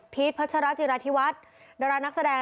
พีชพัชราจิรัฐิวัฒน์ดรนักแสดง